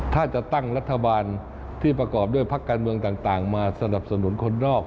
ถ้าจะตั้งรัฐบาลที่ประกอบด้วยพักการเมืองต่างมาสนับสนุนคนนอก